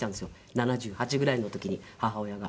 ７８ぐらいの時に母親が。